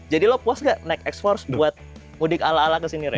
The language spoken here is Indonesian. jadi lo puas gak naik x force buat mudik ala ala ke sini reng